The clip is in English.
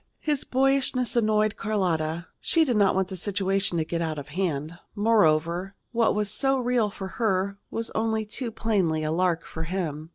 His boyishness annoyed Carlotta. She did not want the situation to get out of hand. Moreover, what was so real for her was only too plainly a lark for him.